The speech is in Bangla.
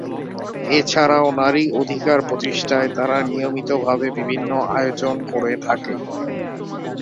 এছাড়াও নারী অধিকার প্রতিষ্ঠায় তারা নিয়মিত ভাবে বিভিন্ন আয়োজন করে থাকে।